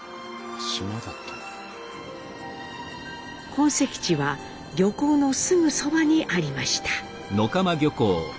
本籍地は漁港のすぐそばにありました。